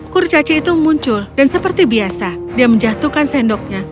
kurcaci itu muncul dan seperti biasa dia menjatuhkan sendoknya